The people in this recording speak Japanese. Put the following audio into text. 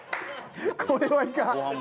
これはいかん！